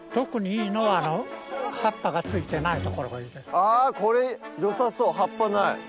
あこれよさそう葉っぱない。